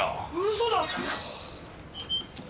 嘘だ。